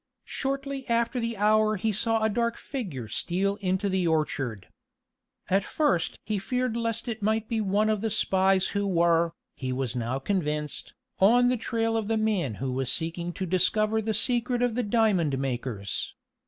Shortly after the hour he saw a dark figure steal into the orchard. At first he feared lest it might be one of the spies who were, he was now convinced, on the trail of the man who was seeking to discover the secret of the diamond makers.